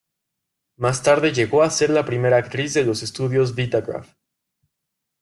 Más tarde llegó a ser primera actriz de los estudios Vitagraph.